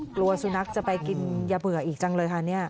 กลัวสุนัขจะไปกินยาเบื่ออีกจังเลยค่ะ